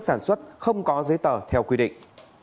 sản xuất không có giấy tờ theo quy định